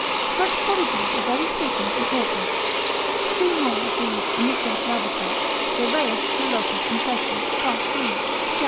Such prodigies are very frequent in authors. See more of these in the said Lavater, Thyreus de locis infestis, part 3, cap.